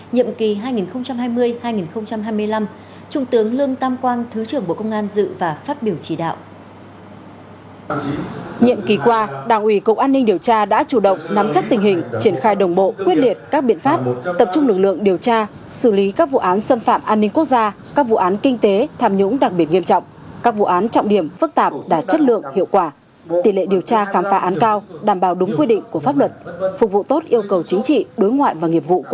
nhiệm kỳ hai nghìn hai mươi hai nghìn hai mươi năm trung tướng lương tam quang thứ trưởng bộ công an dự và phát biểu chỉ đạo